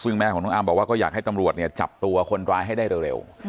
ซึ่งแม่ของน้องอ้ำบอกว่าก็อยากให้ตำรวจเนี่ยจับตัวคนร้ายให้ได้เร็ว